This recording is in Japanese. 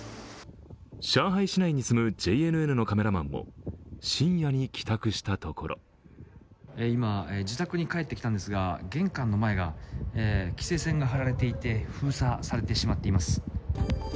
上海市内に住むＪＮＮのカメラマンも深夜に帰宅したところ今自宅に帰ってきたんですが、玄関の前が規制線が張られていて、封鎖されてしまっています。